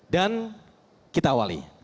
dan kita awali